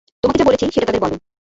তোমাকে যা বলেছি সেটা তাদের বলো।